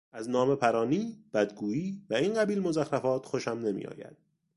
از نامهپرانی، بدگویی و این قبیل مزخرفات خوشم نمیآید.